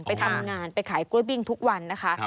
ไปทำงานไปขายกล้วยบิ้งทุกวันนะคะ